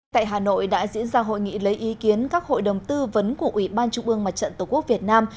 tại hà nội đã diễn ra hội nghị lấy ý kiến các hội đồng tư vấn của ủy ban trung ương mặt trận tổ quốc việt nam